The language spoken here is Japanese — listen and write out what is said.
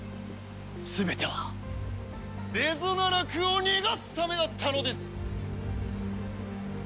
全てはデズナラクを逃がすためだったのです！